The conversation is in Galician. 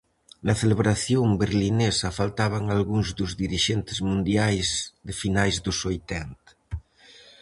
Na celebración berlinesa faltaban algúns dos dirixentes mundiais de finais dos oitenta.